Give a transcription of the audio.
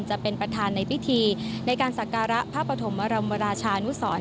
จะเป็นประธานในพิธีในการสักการะพระปฐมรำราชานุสร